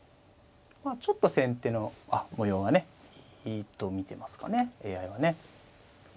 まあちょっと先手の模様がねいいと見てますかねＡＩはね。